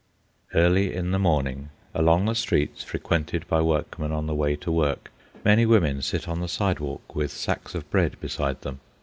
Early in the morning, along the streets frequented by workmen on the way to work, many women sit on the sidewalk with sacks of bread beside them.